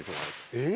えっ？